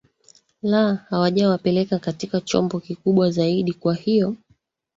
la hawajawapeleka katika chombo kikubwa zaidi kwa hivyo